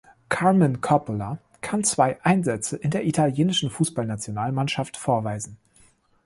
Carmine Coppola kann zwei Einsätze in der italienischen Fußballnationalmannschaft vorweisen.